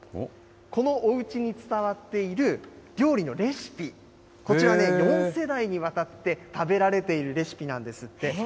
このおうちに伝わっている料理のレシピ、こちらね、４世代にわたって食べられているレシピなんですって。